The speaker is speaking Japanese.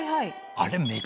あれ。